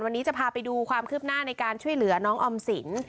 วันนี้จะพาไปดูความคืบหน้าในการช่วยเหลือน้องออมสิน